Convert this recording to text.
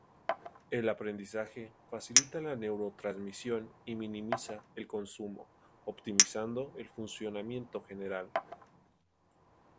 El aprendizaje facilita la neurotransmisión y minimiza el consumo, optimizando el funcionamiento general.